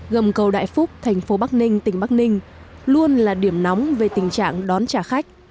gầm cầu đại phúc thành phố bắc ninh tỉnh bắc ninh luôn là điểm nóng về tình trạng đón trả khách